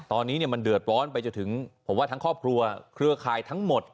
ตอนนี้มันเดือดร้อนไปจนถึงผมว่าทั้งครอบครัวเครือข่ายทั้งหมด